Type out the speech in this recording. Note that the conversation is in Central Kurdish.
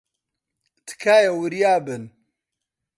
تکایە، وریا بن.